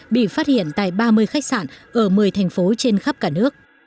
bị phát hiện tại ba mươi khách sạn ở một mươi thành phố trên khắp cả nước